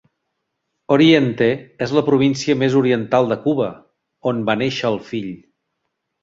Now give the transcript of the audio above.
Oriente és la província més oriental de Cuba, on va néixer el fill.